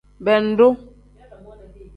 Bendu.